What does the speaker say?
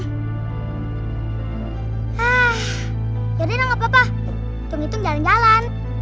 hah yaudah gak apa apa tunggu tunggu jalan jalan